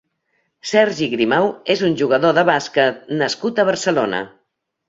Sergi Grimau és un jugador de bàsquet nascut a Barcelona.